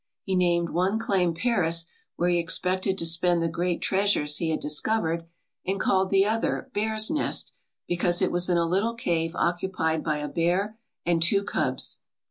He named one claim Paris where he expected to spend the great treasures he had discovered, and called the other Bear's Nest, because it was in a little cave occupied by a bear and two cubs.